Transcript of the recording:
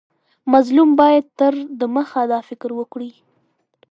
مظلوم باید تر دمخه دا فکر وکړي.